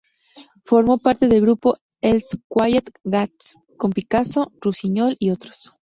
Formó parte del grupo "Els Quatre Gats", con Picasso, Rusiñol y otros.